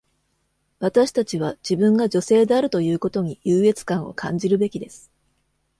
私たちは自分が「女性である」ということに優越感を感じるべきです。